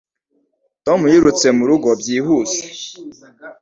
Tom yirutse murugo byihuse.